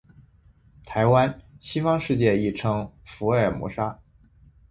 台湾，西方世界亦称福尔摩沙。